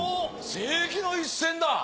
世紀の一戦だ！